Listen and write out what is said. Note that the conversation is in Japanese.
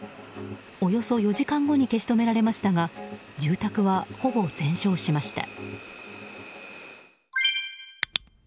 およそ４時間後に消し止められましたが住宅は、ほぼ全焼しました。